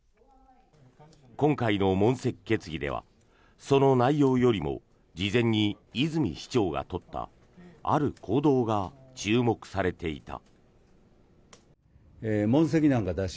今回の問責決議ではその内容よりも事前に泉市長が取ったある行動が注目されていた。